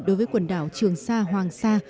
đối với quần đảo trường sa hoàng sa